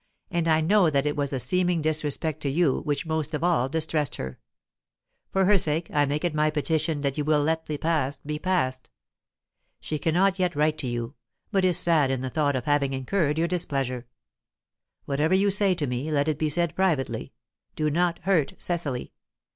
and I know that it was the seeming disrespect to you which most of all distressed her. For her sake, I make it my petition that you will let the past be past. She cannot yet write to you, but is sad in the thought of having incurred your displeasure. Whatever you say to me, let it be said privately; do not hurt Cecily.